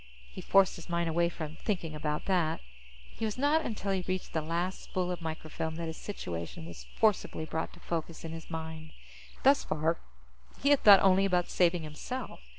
_ He forced his mind away from thinking about that. It was not until he reached the last spool of microfilm that his situation was forcibly brought to focus in his mind. Thus far, he had thought only about saving himself.